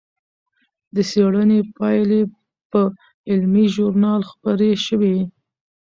د څېړنې پایلې په علمي ژورنال خپرې شوې.